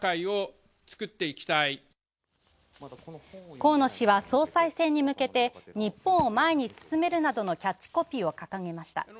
河野氏は総裁選に向けて、「日本を前に進める」などのキャッチコピーを掲げました。